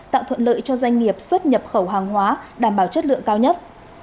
tạo thuận lợi cho doanh nghiệp xuất nhập khẩu hàng hóa đảm bảo chất lượng cao nhất